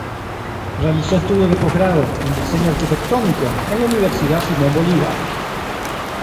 Realizó estudios de post-grado en Diseño Arquitectónico en la Universidad Simón Bolívar.